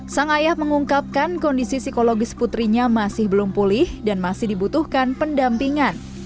sang ayah mengungkapkan kondisi psikologis putrinya masih belum pulih dan masih dibutuhkan pendampingan